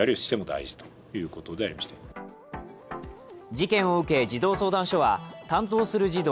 事件を受け、児童相談所は担当する児童